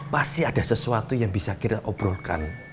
pasti ada sesuatu yang bisa kita obrolkan